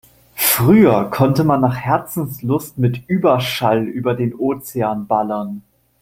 Früher konnte man nach Herzenslust mit Überschall über den Ozean ballern.